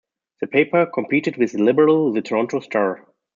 The paper competed with the liberal "The Toronto Star".